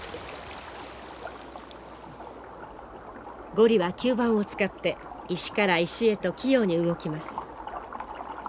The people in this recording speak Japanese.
ゴリは吸盤を使って石から石へと器用に動きます。